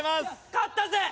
勝ったぜ！